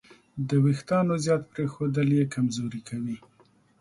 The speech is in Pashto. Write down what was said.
د وېښتیانو زیات پرېښودل یې کمزوري کوي.